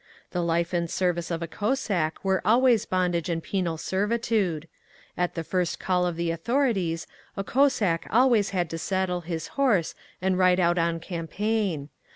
The life and service of a Cossack were always bondage and penal servitude. At the first call of the authorities a Cossack always had to saddle his horse and ride out on campaign.